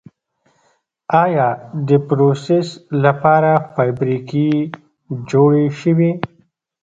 آیا دپروسس لپاره فابریکې جوړې شوي؟